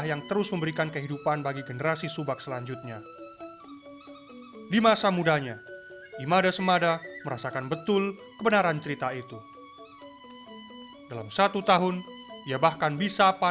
yang terakhir karena attempts untuk menjelaskan tulisan